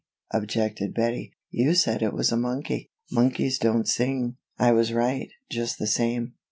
objected Bettie, "you said it was a monkey monkeys don't sing." "I was right, just the same.